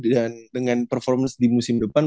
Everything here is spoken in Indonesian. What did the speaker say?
dengan performance di musim depan